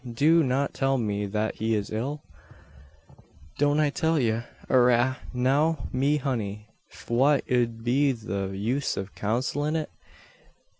Do not tell me that he is ill?" "Don't I till ye! Arrah now me honey; fwhat ud be the use av consalin' it?